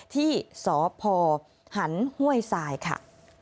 ที่สพหันห้วยทรายค่ะ